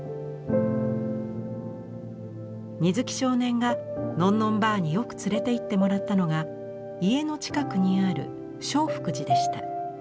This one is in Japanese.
水木少年がのんのんばあによく連れていってもらったのが家の近くにある正福寺でした。